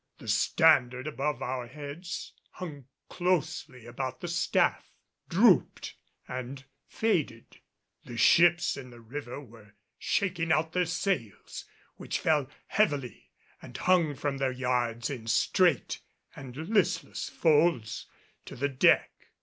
The standard above our heads hung closely about the staff, drooped and faded. The ships in the river were shaking out their sails, which fell heavily and hung from their yards in straight and listless folds to the deck.